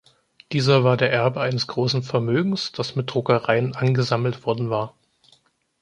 Dieser war der Erbe eines großen Vermögens, das mit Druckereien angesammelt worden war.